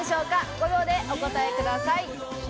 ５秒でお答えください。